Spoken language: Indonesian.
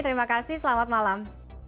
terima kasih selamat malam